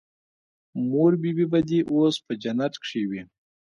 مور بي بي به دې اوس په جنت کښې وي.